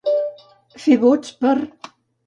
Fer vots per.